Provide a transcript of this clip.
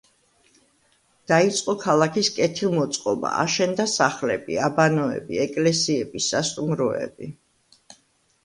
დაიწყო ქალაქის კეთილმოწყობა: აშენდა სახლები, აბანოები, ეკლესიები, სასტუმროები.